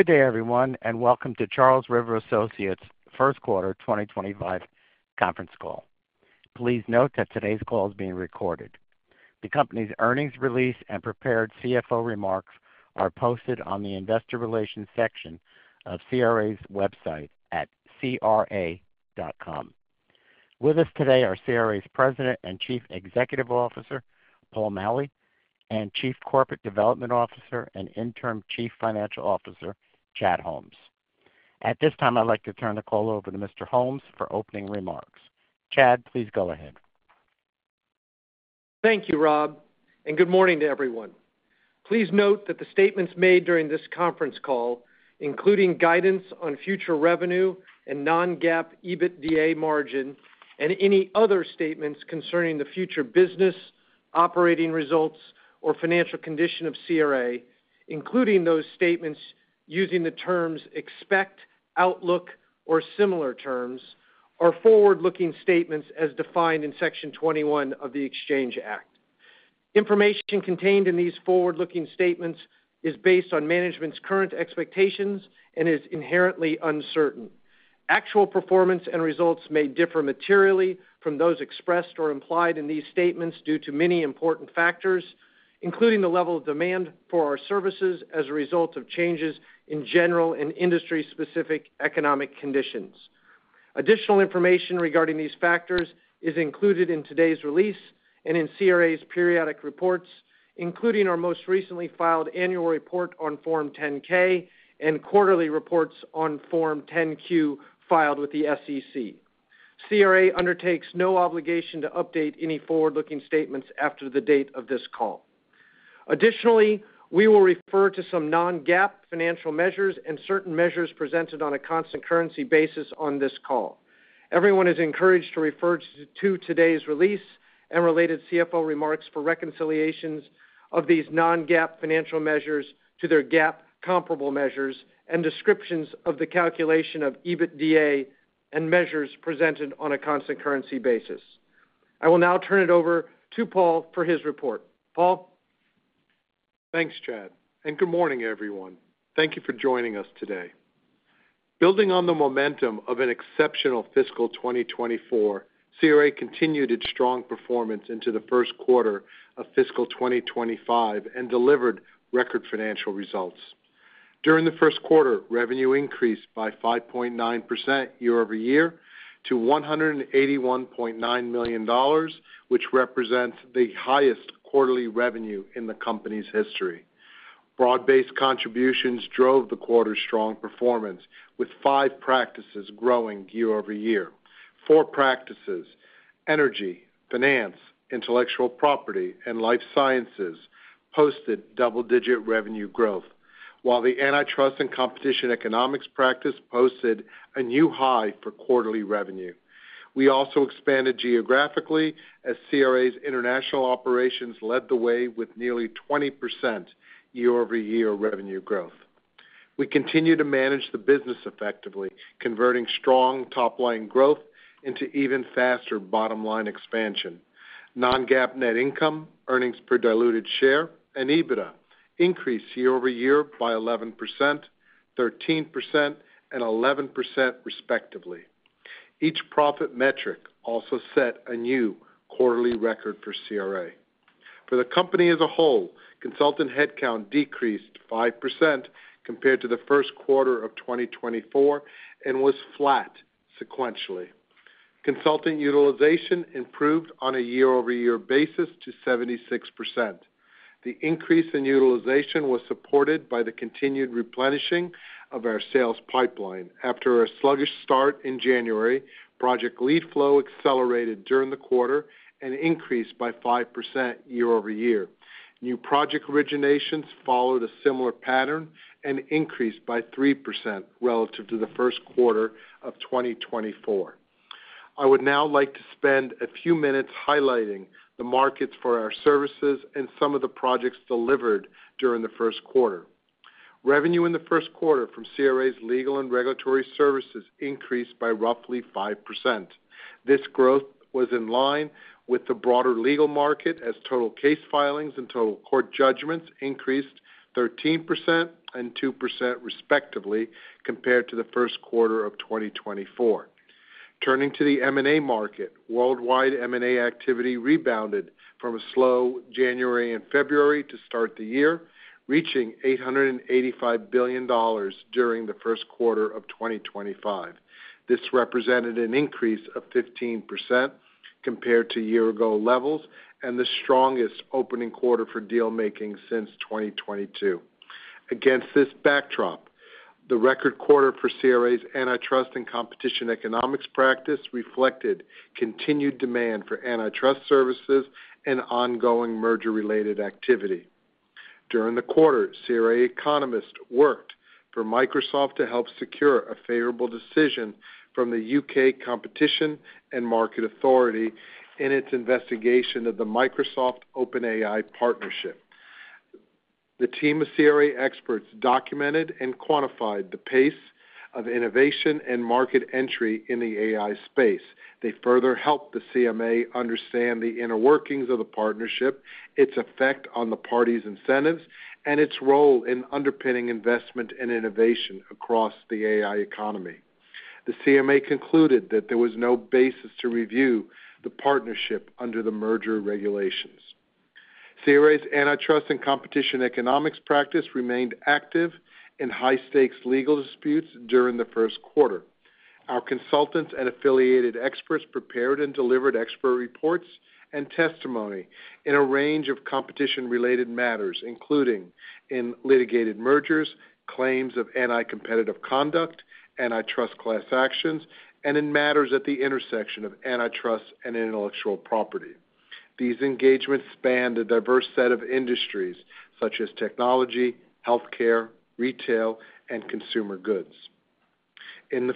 Good day, everyone, and welcome to Charles River Associates' first quarter 2025 conference call. Please note that today's call is being recorded. The company's earnings release and prepared CFO remarks are posted on the investor relations section of CRA's website at cra.com. With us today are CRA's President and Chief Executive Officer, Paul Maleh, and Chief Corporate Development Officer and Interim Chief Financial Officer, Chad Holmes. At this time, I'd like to turn the call over to Mr. Holmes for opening remarks. Chad, please go ahead. Thank you, Rob, and good morning to everyone. Please note that the statements made during this conference call, including guidance on future revenue and non-GAAP EBITDA margin and any other statements concerning the future business, operating results, or financial condition of CRA, including those statements using the terms expect, outlook, or similar terms, are forward-looking statements as defined in Section 21 of the Exchange Act. Information contained in these forward-looking statements is based on management's current expectations and is inherently uncertain. Actual performance and results may differ materially from those expressed or implied in these statements due to many important factors, including the level of demand for our services as a result of changes in general and industry-specific economic conditions. Additional information regarding these factors is included in today's release and in CRA's periodic reports, including our most recently filed annual report on Form 10-K and quarterly reports on Form 10-Q filed with the SEC. CRA undertakes no obligation to update any forward-looking statements after the date of this call. Additionally, we will refer to some non-GAAP financial measures and certain measures presented on a constant currency basis on this call. Everyone is encouraged to refer to today's release and related CFO remarks for reconciliations of these non-GAAP financial measures to their GAAP comparable measures and descriptions of the calculation of EBITDA and measures presented on a constant currency basis. I will now turn it over to Paul for his report. Paul. Thanks, Chad, and good morning, everyone. Thank you for joining us today. Building on the momentum of an exceptional fiscal 2024, CRA continued its strong performance into the first quarter of fiscal 2025 and delivered record financial results. During the first quarter, revenue increased by 5.9% year over year to $181.9 million, which represents the highest quarterly revenue in the company's history. Broad-based contributions drove the quarter's strong performance, with five practices growing year over year. Four practices—Energy, Finance, Intellectual Property, and Life Sciences—posted double-digit revenue growth, while the Antitrust and Competition Economics practice posted a new high for quarterly revenue. We also expanded geographically as CRA's International Operations led the way with nearly 20% year-over-year revenue growth. We continue to manage the business effectively, converting strong top-line growth into even faster bottom-line expansion. Non-GAAP net income, earnings per diluted share, and EBITDA increased year-over-year by 11%, 13%, and 11%, respectively. Each profit metric also set a new quarterly record for CRA. For the company as a whole, consultant headcount decreased 5% compared to the first quarter of 2024 and was flat sequentially. Consultant utilization improved on a year-over-year basis to 76%. The increase in utilization was supported by the continued replenishing of our sales pipeline. After a sluggish start in January, project lead flow accelerated during the quarter and increased by 5% year-over-year. New project originations followed a similar pattern and increased by 3% relative to the first quarter of 2024. I would now like to spend a few minutes highlighting the markets for our services and some of the projects delivered during the first quarter. Revenue in the first quarter from CRA's legal and regulatory services increased by roughly 5%. This growth was in line with the broader legal market as total case filings and total court judgments increased 13% and 2%, respectively, compared to the first quarter of 2024. Turning to the M&A market, worldwide M&A activity rebounded from a slow January and February to start the year, reaching $885 billion during the first quarter of 2025. This represented an increase of 15% compared to year-ago levels and the strongest opening quarter for dealmaking since 2022. Against this backdrop, the record quarter for CRA's Antitrust and Competition Economics practice reflected continued demand for antitrust services and ongoing merger-related activity. During the quarter, CRA economists worked for Microsoft to help secure a favorable decision from the U.K. Competition and Markets Authority in its investigation of the Microsoft OpenAI partnership. The team of CRA experts documented and quantified the pace of innovation and market entry in the AI space. They further helped the CMA understand the inner workings of the partnership, its effect on the parties' incentives, and its role in underpinning investment and innovation across the AI economy. The CMA concluded that there was no basis to review the partnership under the merger regulations. CRA's Antitrust and Competition Economics practice remained active in high-stakes legal disputes during the first quarter. Our consultants and affiliated experts prepared and delivered expert reports and testimony in a range of competition-related matters, including in litigated mergers, claims of anti-competitive conduct, antitrust class actions, and in matters at the intersection of antitrust and intellectual property. These engagements spanned a diverse set of industries such as technology, healthcare, retail, and consumer goods. In the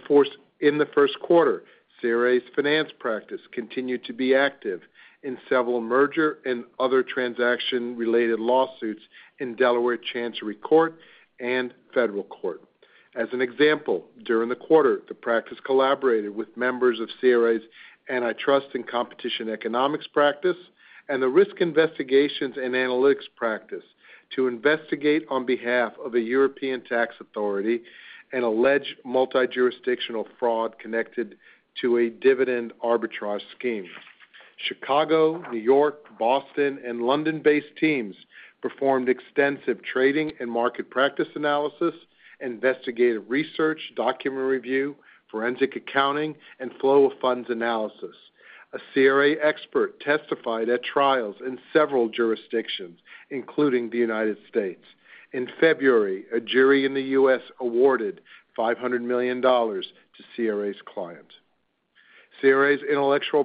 first quarter, CRA's Finance practice continued to be active in several merger and other transaction-related lawsuits in Delaware Chancery Court and Federal Court. As an example, during the quarter, the practice collaborated with members of CRA's Antitrust and Competition Economics practice and the Risk Investigations and Analytics practice to investigate on behalf of a European tax authority an alleged multi-jurisdictional fraud connected to a dividend arbitrage scheme. Chicago, New York, Boston, and London-based teams performed extensive trading and market practice analysis, investigative research, document review, forensic accounting, and flow-of-funds analysis. A CRA expert testified at trials in several jurisdictions, including the United States. In February, a jury in the U.S. awarded $500 million to CRA's client. CRA's Intellectual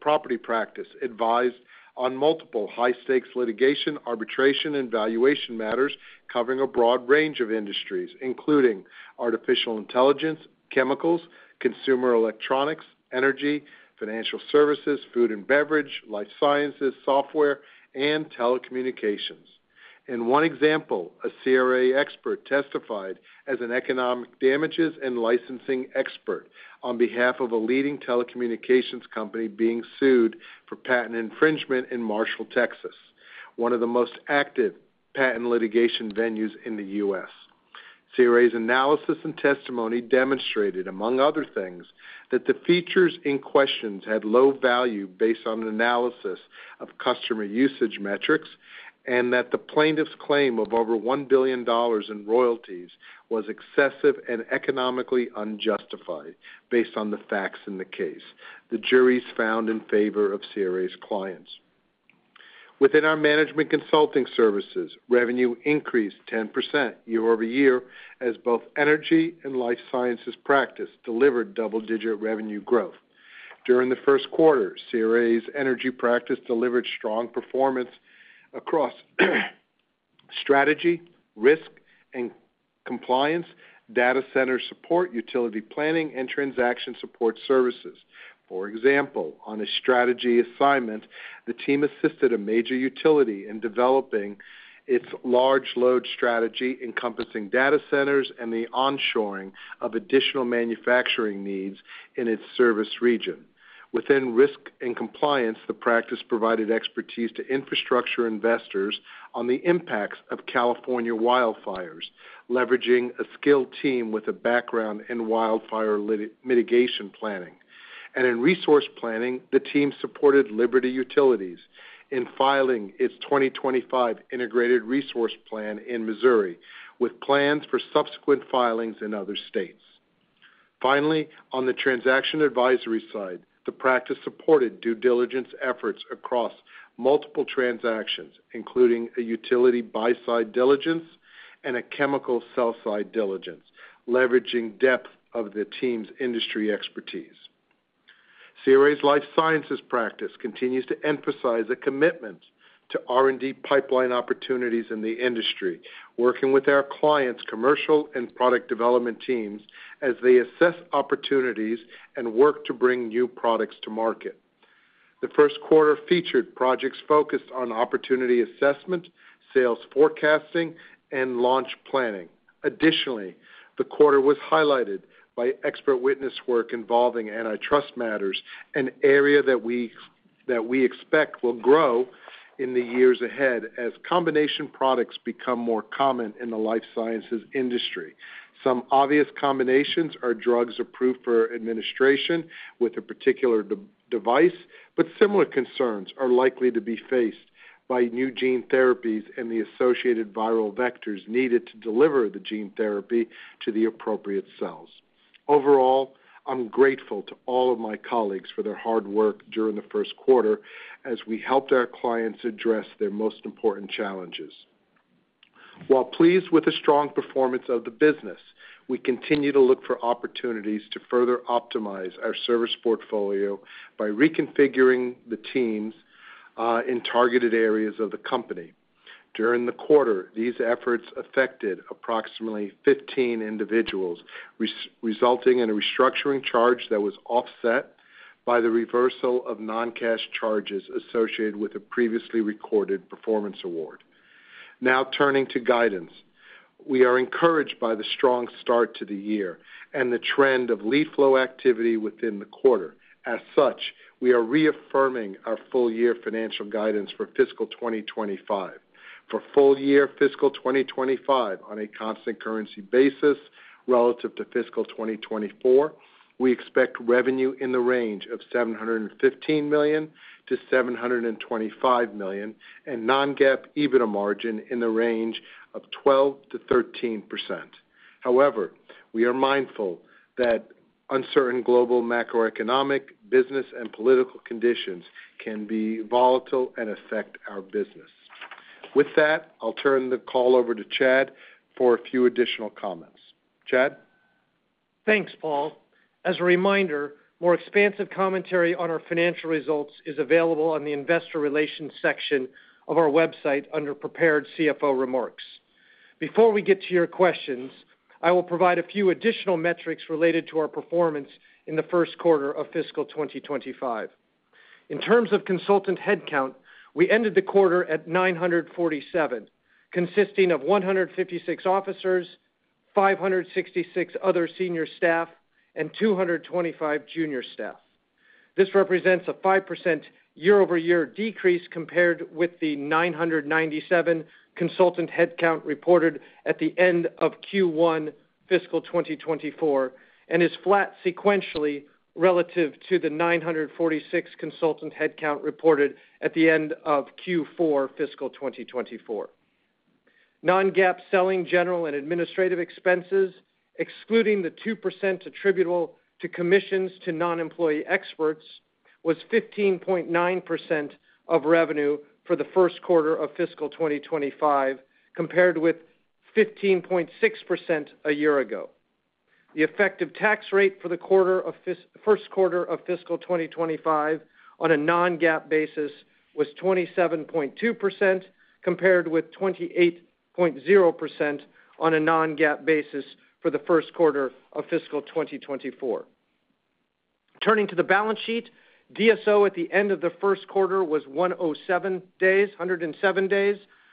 Property practice advised on multiple high-stakes litigation, arbitration, and valuation matters covering a broad range of industries, including artificial intelligence, chemicals, consumer electronics, energy, financial services, food and beverage, life sciences, software, and telecommunications. In one example, a CRA expert testified as an economic damages and licensing expert on behalf of a leading telecommunications company being sued for patent infringement in Marshall, Texas, one of the most active patent litigation venues in the U.S. CRA's analysis and testimony demonstrated, among other things, that the features in question had low value based on analysis of customer usage metrics and that the plaintiff's claim of over $1 billion in royalties was excessive and economically unjustified based on the facts in the case. The jury found in favor of CRA's clients. Within our management consulting services, revenue increased 10% year-over-year as both Energy and Life Sciences practice delivered double-digit revenue growth. During the first quarter, CRA's Energy practice delivered strong performance across strategy, risk, and compliance, data center support, utility planning, and transaction support services. For example, on a strategy assignment, the team assisted a major utility in developing its large-load strategy encompassing data centers and the onshoring of additional manufacturing needs in its service region. Within risk and compliance, the practice provided expertise to infrastructure investors on the impacts of California wildfires, leveraging a skilled team with a background in wildfire mitigation planning. In resource planning, the team supported Liberty Utilities in filing its 2025 Integrated Resource Plan in Missouri, with plans for subsequent filings in other states. Finally, on the transaction advisory side, the practice supported due diligence efforts across multiple transactions, including a utility buy-side diligence and a chemical sell-side diligence, leveraging depth of the team's industry expertise. CRA's Life Sciences practice continues to emphasize a commitment to R&D pipeline opportunities in the industry, working with our clients' commercial and product development teams as they assess opportunities and work to bring new products to market. The first quarter featured projects focused on opportunity assessment, sales forecasting, and launch planning. Additionally, the quarter was highlighted by expert witness work involving antitrust matters, an area that we expect will grow in the years ahead as combination products become more common in the life sciences industry. Some obvious combinations are drugs approved for administration with a particular device, but similar concerns are likely to be faced by new gene therapies and the associated viral vectors needed to deliver the gene therapy to the appropriate cells. Overall, I'm grateful to all of my colleagues for their hard work during the first quarter as we helped our clients address their most important challenges. While pleased with the strong performance of the business, we continue to look for opportunities to further optimize our service portfolio by reconfiguring the teams in targeted areas of the company. During the quarter, these efforts affected approximately 15 individuals, resulting in a restructuring charge that was offset by the reversal of non-cash charges associated with a previously recorded performance award. Now turning to guidance, we are encouraged by the strong start to the year and the trend of lead flow activity within the quarter. As such, we are reaffirming our full-year financial guidance for fiscal 2025. For full-year fiscal 2025 on a constant currency basis relative to fiscal 2024, we expect revenue in the range of $715 million-$725 million and non-GAAP EBITDA margin in the range of 12%-13%. However, we are mindful that uncertain global macroeconomic, business, and political conditions can be volatile and affect our business. With that, I'll turn the call over to Chad for a few additional comments. Chad? Thanks, Paul. As a reminder, more expansive commentary on our financial results is available on the Investor Relations section of our website under Prepared CFO Remarks. Before we get to your questions, I will provide a few additional metrics related to our performance in the first quarter of fiscal 2025. In terms of consultant headcount, we ended the quarter at 947, consisting of 156 officers, 566 other senior staff, and 225 junior staff. This represents a 5% year-over-year decrease compared with the 997 consultant headcount reported at the end of Q1 fiscal 2024 and is flat sequentially relative to the 946 consultant headcount reported at the end of Q4 fiscal 2024. Non-GAAP selling general and administrative expenses, excluding the 2% attributable to commissions to non-employee experts, was 15.9% of revenue for the first quarter of fiscal 2025, compared with 15.6% a year ago. The effective tax rate for the first quarter of fiscal 2025 on a non-GAAP basis was 27.2%, compared with 28.0% on a non-GAAP basis for the first quarter of fiscal 2024. Turning to the balance sheet, DSO at the end of the first quarter was 107 days,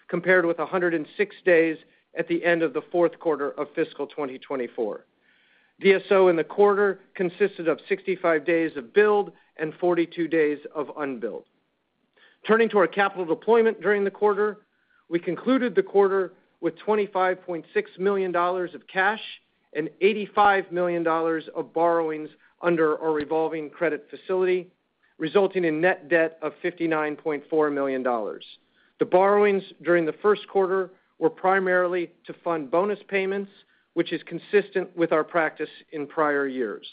compared with 106 days at the end of the fourth quarter of fiscal 2024. DSO in the quarter consisted of 65 days of billed and 42 days of unbilled. Turning to our capital deployment during the quarter, we concluded the quarter with $25.6 million of cash and $85 million of borrowings under our revolving credit facility, resulting in net debt of $59.4 million. The borrowings during the first quarter were primarily to fund bonus payments, which is consistent with our practice in prior years.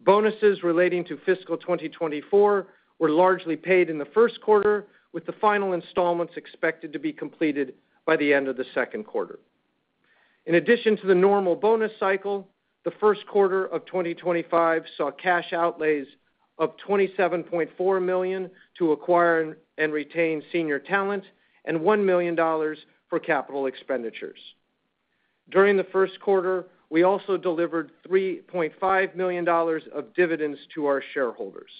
Bonuses relating to fiscal 2024 were largely paid in the first quarter, with the final installments expected to be completed by the end of the second quarter. In addition to the normal bonus cycle, the first quarter of 2025 saw cash outlays of $27.4 million to acquire and retain senior talent and $1 million for capital expenditures. During the first quarter, we also delivered $3.5 million of dividends to our shareholders.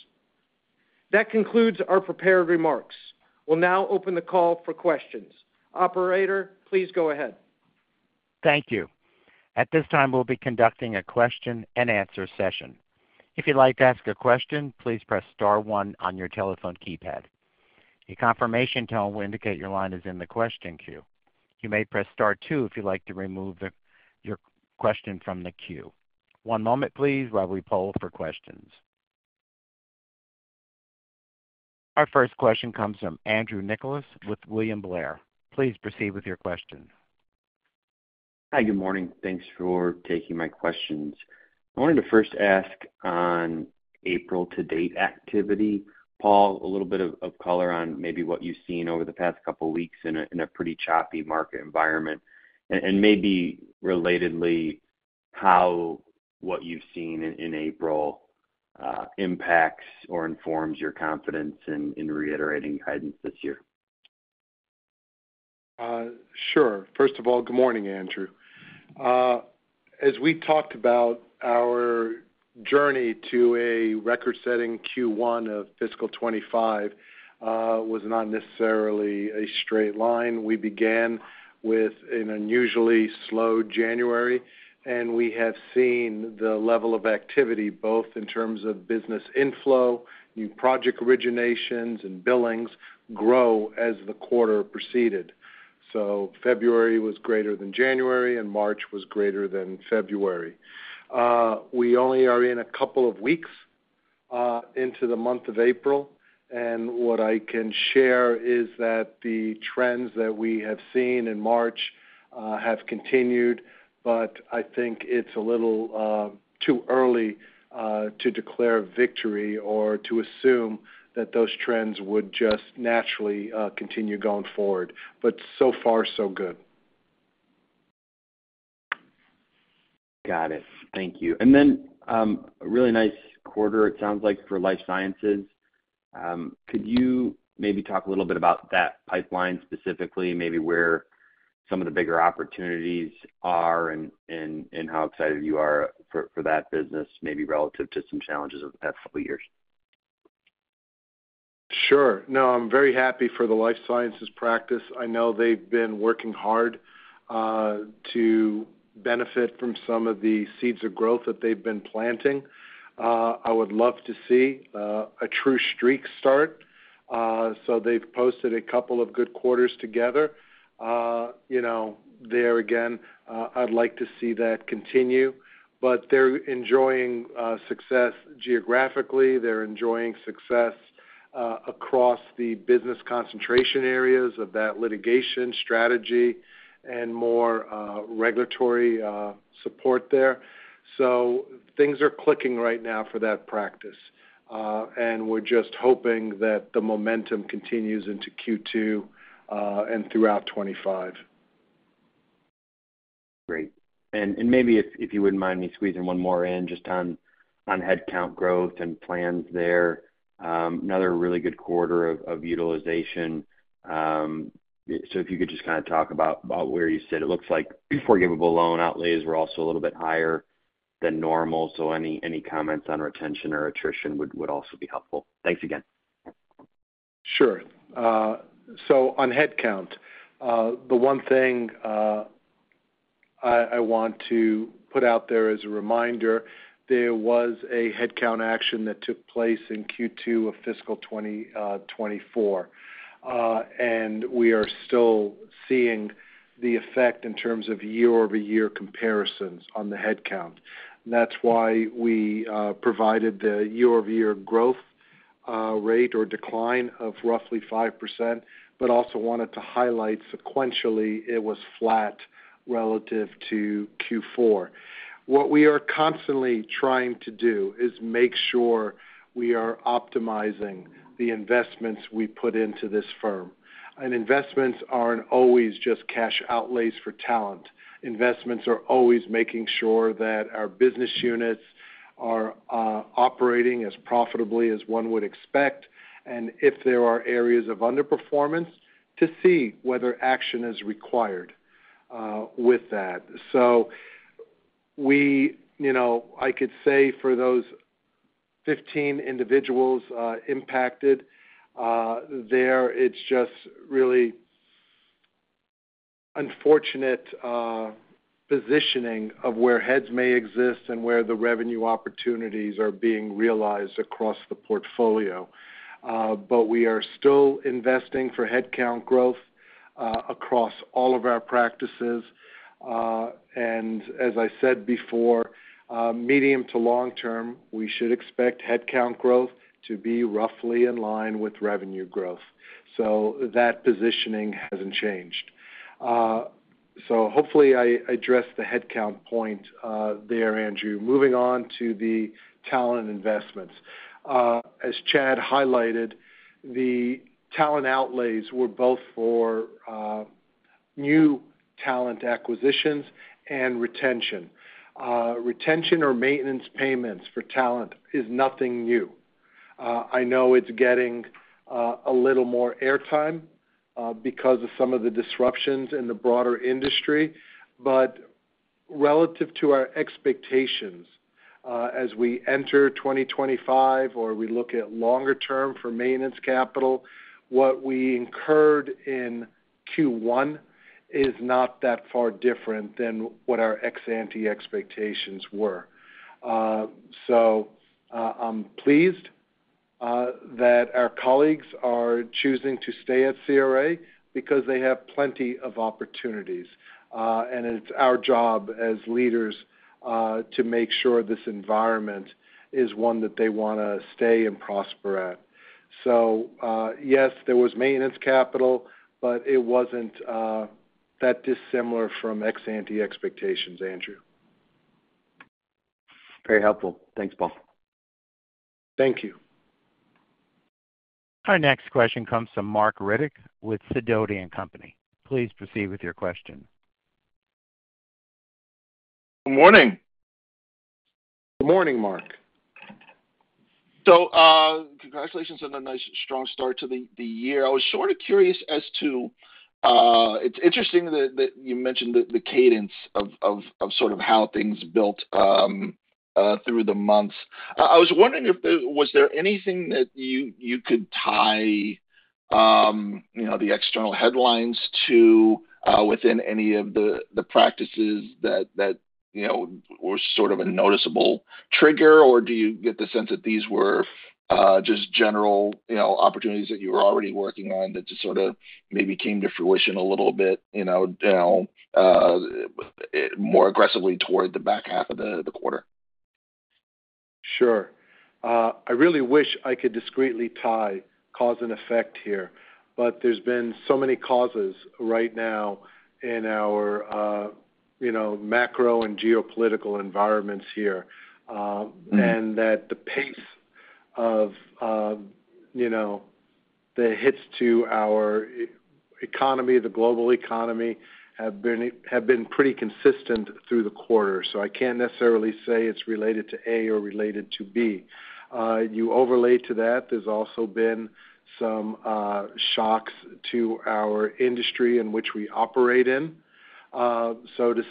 That concludes our prepared remarks. We'll now open the call for questions. Operator, please go ahead. Thank you. At this time, we'll be conducting a question-and-answer session. If you'd like to ask a question, please press Star 1 on your telephone keypad. A confirmation tone will indicate your line is in the question queue. You may press Star 2 if you'd like to remove your question from the queue. One moment, please, while we poll for questions. Our first question comes from Andrew Nicholas with William Blair. Please proceed with your question. Hi, good morning. Thanks for taking my questions. I wanted to first ask on April-to-date activity. Paul, a little bit of color on maybe what you've seen over the past couple of weeks in a pretty choppy market environment, and maybe relatedly, how what you've seen in April impacts or informs your confidence in reiterating guidance this year. Sure. First of all, good morning, Andrew. As we talked about, our journey to a record-setting Q1 of fiscal 2025 was not necessarily a straight line. We began with an unusually slow January, and we have seen the level of activity both in terms of business inflow, new project originations, and billings grow as the quarter proceeded. February was greater than January, and March was greater than February. We are only a couple of weeks into the month of April, and what I can share is that the trends that we have seen in March have continued. I think it is a little too early to declare a victory or to assume that those trends would just naturally continue going forward. So far, so good. Got it. Thank you. A really nice quarter, it sounds like, for life sciences. Could you maybe talk a little bit about that pipeline specifically, maybe where some of the bigger opportunities are and how excited you are for that business, maybe relative to some challenges of the past couple of years? Sure. No, I'm very happy for the Life Sciences practice. I know they've been working hard to benefit from some of the seeds of growth that they've been planting. I would love to see a true streak start. They've posted a couple of good quarters together. I would like to see that continue. They're enjoying success geographically. They're enjoying success across the business concentration areas of that litigation strategy and more regulatory support there. Things are clicking right now for that practice. We're just hoping that the momentum continues into Q2 and throughout 2025. Great. Maybe, if you would not mind me squeezing one more in, just on headcount growth and plans there. Another really good quarter of utilization. If you could just kind of talk about where you sit. It looks like forgivable loan outlays were also a little bit higher than normal. Any comments on retention or attrition would also be helpful. Thanks again. Sure. On headcount, the one thing I want to put out there as a reminder, there was a headcount action that took place in Q2 of fiscal 2024. We are still seeing the effect in terms of year-over-year comparisons on the headcount. That is why we provided the year-over-year growth rate or decline of roughly 5%, but also wanted to highlight sequentially it was flat relative to Q4. What we are constantly trying to do is make sure we are optimizing the investments we put into this firm. Investments are not always just cash outlays for talent. Investments are always making sure that our business units are operating as profitably as one would expect. If there are areas of underperformance, to see whether action is required with that. I could say for those 15 individuals impacted, there it's just really unfortunate positioning of where heads may exist and where the revenue opportunities are being realized across the portfolio. We are still investing for headcount growth across all of our practices. As I said before, medium to long term, we should expect headcount growth to be roughly in line with revenue growth. That positioning hasn't changed. Hopefully I addressed the headcount point there, Andrew. Moving on to the talent investments. As Chad highlighted, the talent outlays were both for new talent acquisitions and retention. Retention or maintenance payments for talent is nothing new. I know it's getting a little more airtime because of some of the disruptions in the broader industry. Relative to our expectations, as we enter 2025 or we look at longer term for maintenance capital, what we incurred in Q1 is not that far different than what our ex-ante expectations were. I'm pleased that our colleagues are choosing to stay at CRA because they have plenty of opportunities. It's our job as leaders to make sure this environment is one that they want to stay and prosper at. Yes, there was maintenance capital, but it wasn't that dissimilar from ex-ante expectations, Andrew. Very helpful. Thanks, Paul. Thank you. Our next question comes from Marc Riddick with Sidoti & Company. Please proceed with your question. Good morning. Good morning, Mark. Congratulations on a nice, strong start to the year. I was sort of curious as to it's interesting that you mentioned the cadence of sort of how things built through the months. I was wondering if there was anything that you could tie the external headlines to within any of the practices that were sort of a noticeable trigger, or do you get the sense that these were just general opportunities that you were already working on that just sort of maybe came to fruition a little bit more aggressively toward the back half of the quarter? Sure. I really wish I could discreetly tie cause and effect here, but there's been so many causes right now in our macro and geopolitical environments here, and the pace of the hits to our economy, the global economy, have been pretty consistent through the quarter. I can't necessarily say it's related to A or related to B. You overlay to that, there's also been some shocks to our industry in which we operate in. To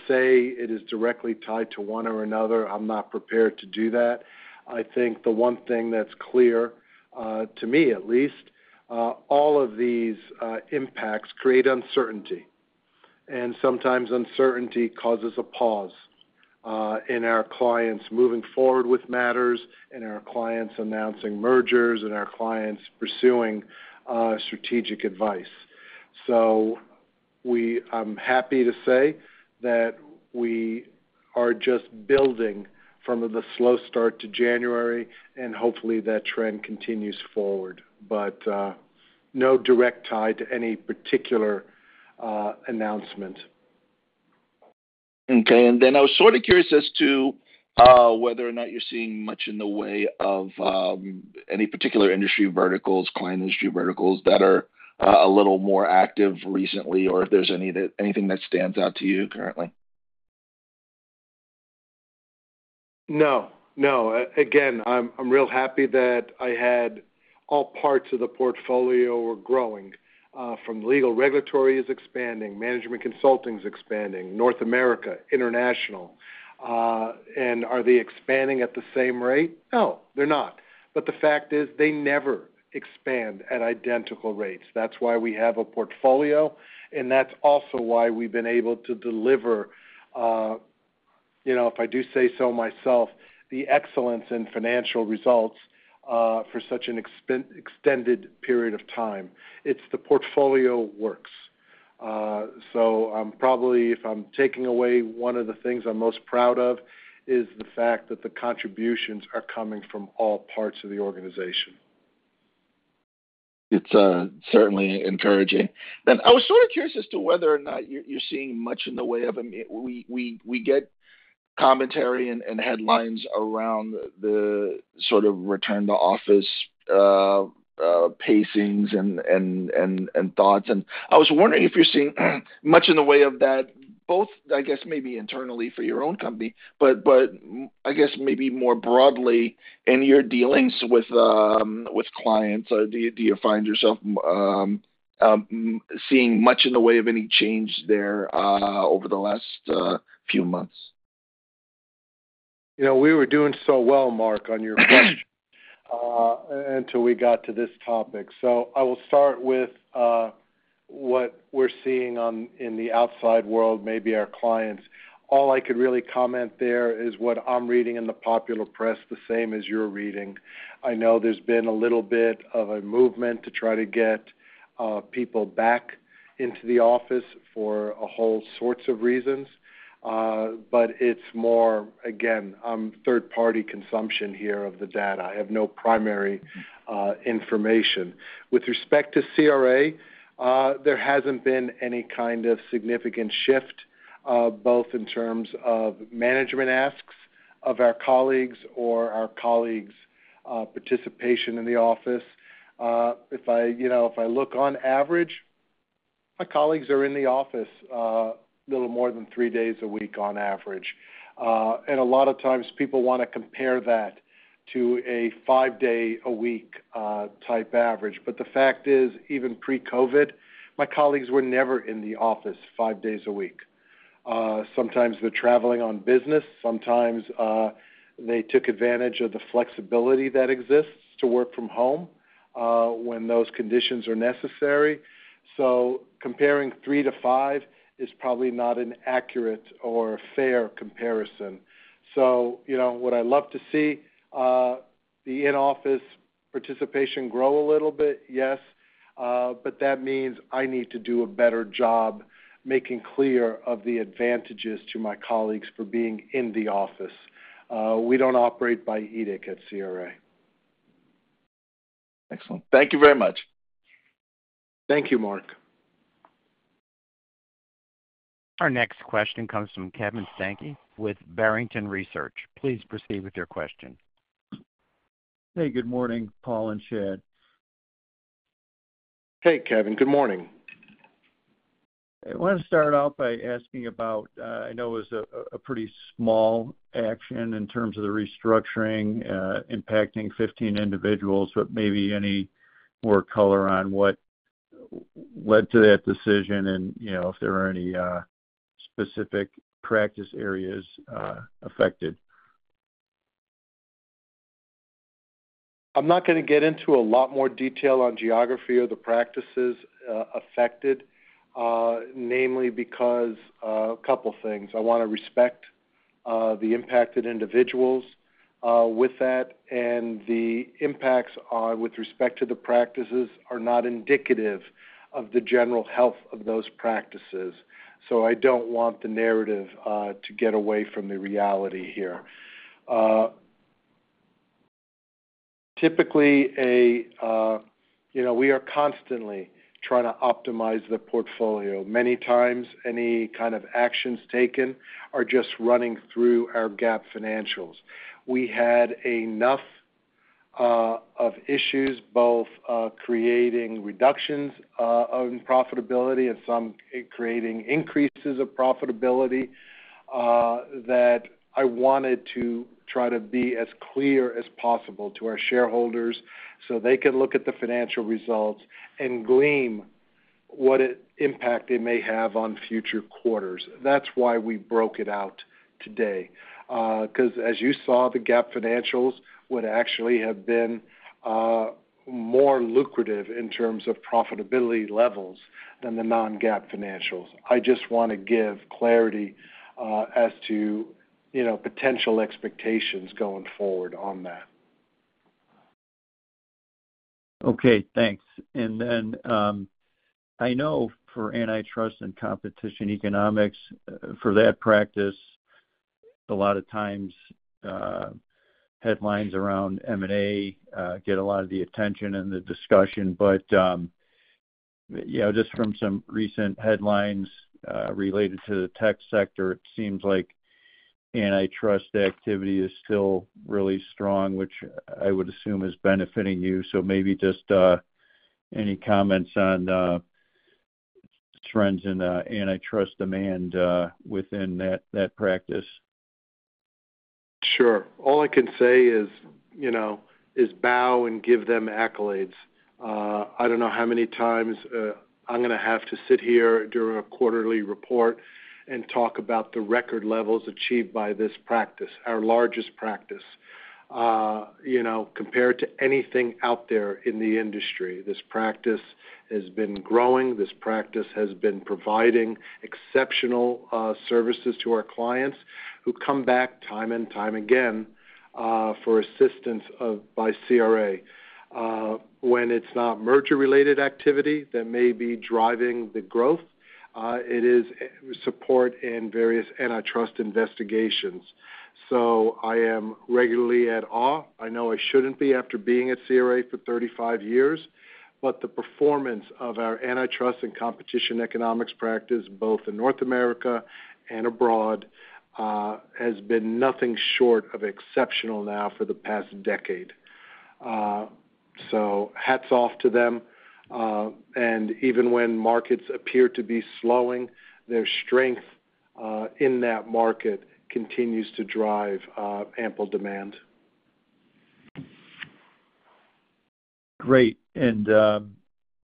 say it is directly tied to one or another, I'm not prepared to do that. I think the one thing that's clear, to me at least, all of these impacts create uncertainty. Sometimes uncertainty causes a pause in our clients moving forward with matters, in our clients announcing mergers, in our clients pursuing strategic advice. I'm happy to say that we are just building from the slow start to January, and hopefully that trend continues forward. No direct tie to any particular announcement. Okay. I was sort of curious as to whether or not you're seeing much in the way of any particular industry verticals, client industry verticals that are a little more active recently, or if there's anything that stands out to you currently. No. No. Again, I'm real happy that I had all parts of the portfolio were growing. Legal regulatory is expanding, management consulting is expanding, North America, international. Are they expanding at the same rate? No, they're not. The fact is they never expand at identical rates. That is why we have a portfolio, and that is also why we've been able to deliver, if I do say so myself, the excellence in financial results for such an extended period of time. The portfolio works. Probably if I'm taking away one of the things I'm most proud of, it is the fact that the contributions are coming from all parts of the organization. It's certainly encouraging. I was sort of curious as to whether or not you're seeing much in the way of, we get commentary and headlines around the sort of return to office pacings and thoughts. I was wondering if you're seeing much in the way of that, both, I guess, maybe internally for your own company, but I guess maybe more broadly in your dealings with clients. Do you find yourself seeing much in the way of any change there over the last few months? We were doing so well, Mark, on your question until we got to this topic. I will start with what we're seeing in the outside world, maybe our clients. All I could really comment there is what I'm reading in the popular press, the same as you're reading. I know there's been a little bit of a movement to try to get people back into the office for a whole sorts of reasons. It's more, again, third-party consumption here of the data. I have no primary information. With respect to CRA, there hasn't been any kind of significant shift, both in terms of management asks of our colleagues or our colleagues' participation in the office. If I look on average, my colleagues are in the office a little more than three days a week on average. A lot of times people want to compare that to a five-day-a-week type average. The fact is, even pre-COVID, my colleagues were never in the office five days a week. Sometimes they're traveling on business. Sometimes they took advantage of the flexibility that exists to work from home when those conditions are necessary. Comparing three to five is probably not an accurate or fair comparison. What I'd love to see, the in-office participation grow a little bit, yes. That means I need to do a better job making clear of the advantages to my colleagues for being in the office. We don't operate by edict at CRA. Excellent. Thank you very much. Thank you, Mark. Our next question comes from Kevin Steinke with Barrington Research. Please proceed with your question. Hey, good morning, Paul and Chad. Hey, Kevin. Good morning. I want to start off by asking about I know it was a pretty small action in terms of the restructuring impacting 15 individuals, but maybe any more color on what led to that decision and if there were any specific practice areas affected. I'm not going to get into a lot more detail on geography or the practices affected, namely because a couple of things. I want to respect the impacted individuals with that. The impacts with respect to the practices are not indicative of the general health of those practices. I don't want the narrative to get away from the reality here. Typically, we are constantly trying to optimize the portfolio. Many times, any kind of actions taken are just running through our GAAP financials. We had enough of issues both creating reductions in profitability and some creating increases of profitability that I wanted to try to be as clear as possible to our shareholders so they can look at the financial results and glean what impact they may have on future quarters. That's why we broke it out today. Because as you saw, the GAAP financials would actually have been more lucrative in terms of profitability levels than the non-GAAP financials. I just want to give clarity as to potential expectations going forward on that. Okay. Thanks. I know for antitrust and competition economics, for that practice, a lot of times headlines around M&A get a lot of the attention and the discussion. Just from some recent headlines related to the tech sector, it seems like antitrust activity is still really strong, which I would assume is benefiting you. Maybe just any comments on trends in antitrust demand within that practice? Sure. All I can say is bow and give them accolades. I don't know how many times I'm going to have to sit here during a quarterly report and talk about the record levels achieved by this practice, our largest practice. Compared to anything out there in the industry, this practice has been growing. This practice has been providing exceptional services to our clients who come back time and time again for assistance by CRA. When it's not merger-related activity that may be driving the growth, it is support in various antitrust investigations. I am regularly at awe. I know I shouldn't be after being at CRA for 35 years. The performance of our antitrust and competition economics practice, both in North America and abroad, has been nothing short of exceptional now for the past decade. Hats off to them. Even when markets appear to be slowing, their strength in that market continues to drive ample demand. Great.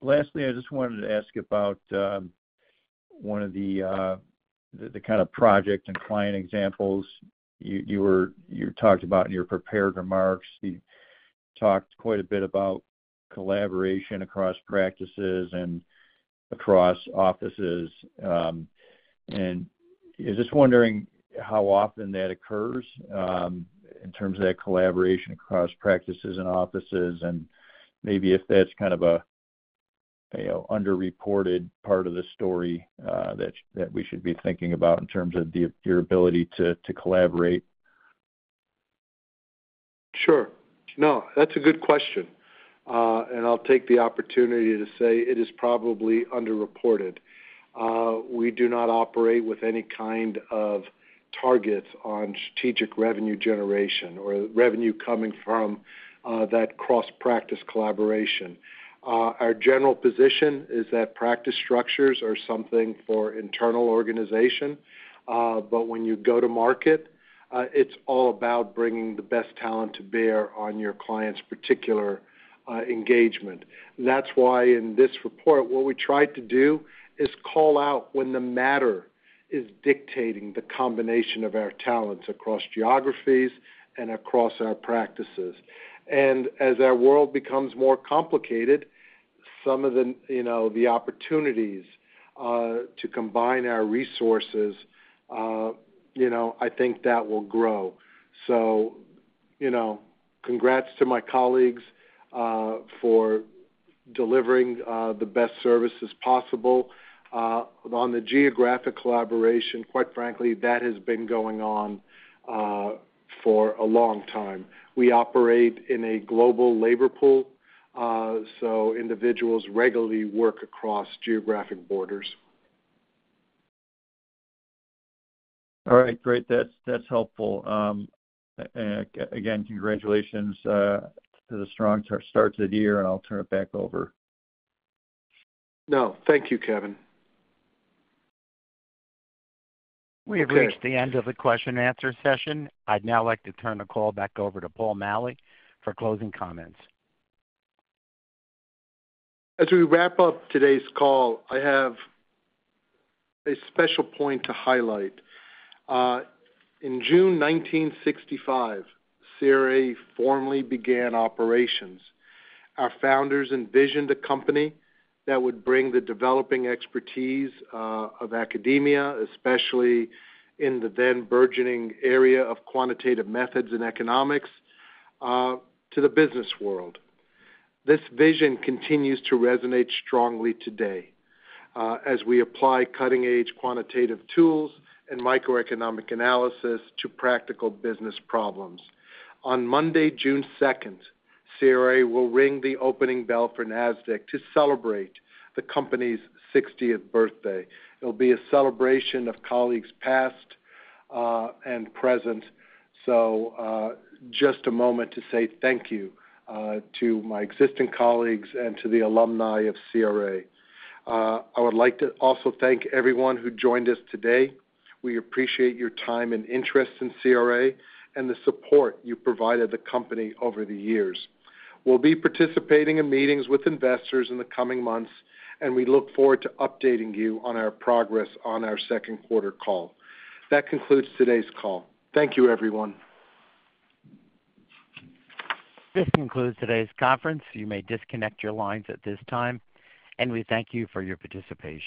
Lastly, I just wanted to ask about one of the kind of project and client examples you talked about in your prepared remarks. You talked quite a bit about collaboration across practices and across offices. I'm just wondering how often that occurs in terms of that collaboration across practices and offices, and maybe if that's kind of an underreported part of the story that we should be thinking about in terms of your ability to collaborate. Sure. No, that's a good question. I'll take the opportunity to say it is probably underreported. We do not operate with any kind of targets on strategic revenue generation or revenue coming from that cross-practice collaboration. Our general position is that practice structures are something for internal organization. When you go to market, it's all about bringing the best talent to bear on your client's particular engagement. That's why in this report, what we tried to do is call out when the matter is dictating the combination of our talents across geographies and across our practices. As our world becomes more complicated, some of the opportunities to combine our resources, I think that will grow. Congrats to my colleagues for delivering the best services possible. On the geographic collaboration, quite frankly, that has been going on for a long time. We operate in a global labor pool, so individuals regularly work across geographic borders. All right. Great. That's helpful. Again, congratulations to the strong start to the year, and I'll turn it back over. No. Thank you, Kevin. We've reached the end of the question-and-answer session. I'd now like to turn the call back over to Paul Maleh for closing comments. As we wrap up today's call, I have a special point to highlight. In June 1965, CRA formally began operations. Our founders envisioned a company that would bring the developing expertise of academia, especially in the then-burgeoning area of quantitative methods and economics, to the business world. This vision continues to resonate strongly today as we apply cutting-edge quantitative tools and microeconomic analysis to practical business problems. On Monday, June 2, CRA will ring the opening bell for NASDAQ to celebrate the company's 60th birthday. It'll be a celebration of colleagues past and present. Just a moment to say thank you to my existing colleagues and to the alumni of CRA. I would like to also thank everyone who joined us today. We appreciate your time and interest in CRA and the support you provided the company over the years. We'll be participating in meetings with investors in the coming months, and we look forward to updating you on our progress on our second quarter call. That concludes today's call. Thank you, everyone. This concludes today's conference. You may disconnect your lines at this time. We thank you for your participation.